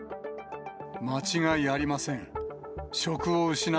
間違いありません。